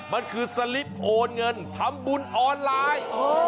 มันคือสลิปโอนเงินทำบุญออนไลน์